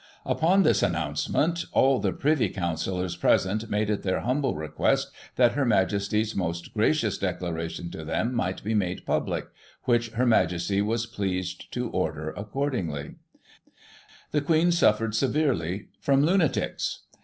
Upon this cinnouncement, all the Privy Councillors present made it their humble request that Her Majesty's most gracious declaration to them might be made public; which Her Majesty was pleased to order accordingly. Digitized by Google 114 GOSSIP.^ [1839 The Queen suffered severely from lunatics.